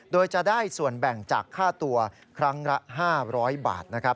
โดยจะได้ส่วนแบ่งจากค่าตัวครั้งละ๕๐๐บาทนะครับ